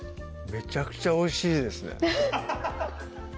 めちゃくちゃおいしい！